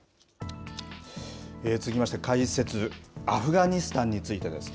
続きまして解説、アフガニスタンについてです。